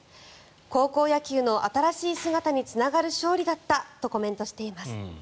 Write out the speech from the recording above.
高校野球の新しい姿につながる勝利だったとコメントしています。